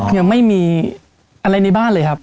ยังไม่มีอะไรในบ้านเลยครับ